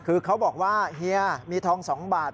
คือเขาบอกว่าเฮียมีทอง๒บาท